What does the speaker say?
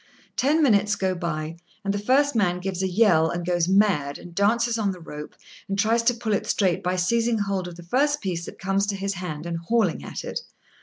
Ten minutes go by, and the first man gives a yell and goes mad, and dances on the rope, and tries to pull it straight by seizing hold of the first piece that comes to his hand and hauling at it.